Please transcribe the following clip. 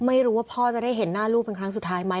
ไม่รู้ว่าพ่อจะได้เห็นหน้าลูกเป็นครั้งสุดท้ายไหม